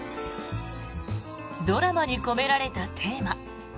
ドラマに込められたテーマ。